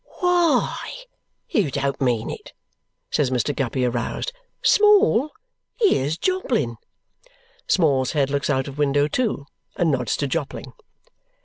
"Why, you don't mean it!" says Mr. Guppy, aroused. "Small! Here's Jobling!" Small's head looks out of window too and nods to Jobling.